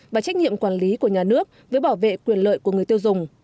và trách nhiệm quản lý của nhà nước với bảo vệ quyền lợi của người tiêu dùng